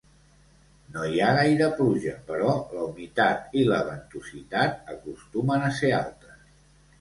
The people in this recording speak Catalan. No hi ha gaire pluja però la humitat i la ventositat acostumen a ser altes.